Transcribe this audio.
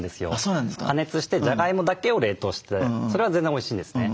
加熱してじゃがいもだけを冷凍してそれは全然おいしいんですね。